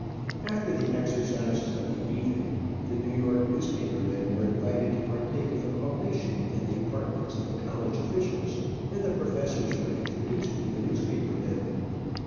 After the exercises of the evening, the New York newspaper men were invited to partake of a collation in the apartments of the college officials, and the professors were introduced to the newspaper men.